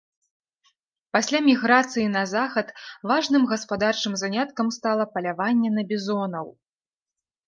Пасля міграцыі на захад важным гаспадарчым заняткам стала паляванне на бізонаў.